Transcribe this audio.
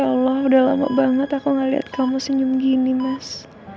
ya allah udah lama banget aku ngeliat kamu senyum gini mas